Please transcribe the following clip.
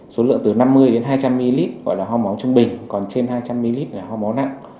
số lượng từ năm mươi đến hai trăm linh ml gọi là ho máu trung bình còn trên hai trăm linh ml là ho máu nặng